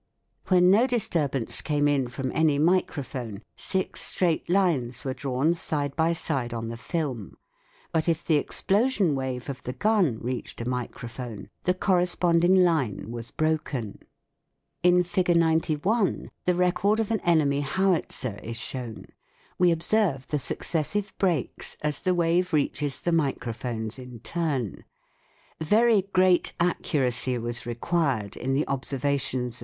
When no disturbance came in from any microphone six straight lines were drawn side by side on the film ; but if the explosion wave of the gun reached a micro phone, the corresponding line was broken. In 1 88 THE WORLD OF SOUND Fig. 91 the record of an enemy howitzer is shown : we observe the successive breaks as the wave reaches the microphones in turn. Very great Report reaches No 1 microphone.